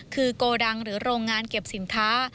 คือโกดังหรือโรงงานเก็บสินค้า